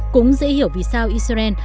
cũng dễ hiểu vì sao israel